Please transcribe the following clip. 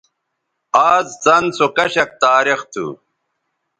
آز څَن سو کشک تاریخ تھو